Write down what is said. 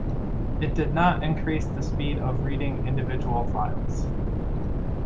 It did not increase the speed of reading individual files.